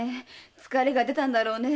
疲れが出たんだろうね。